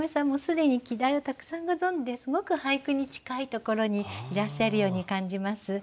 もう既に季題をたくさんご存じですごく俳句に近いところにいらっしゃるように感じます。